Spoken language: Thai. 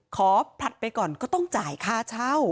ผลัดไปก่อนก็ต้องจ่ายค่าเช่า